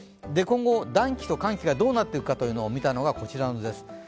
今後、暖気と寒気がどうなっていくのかを見たのがこちらの図です。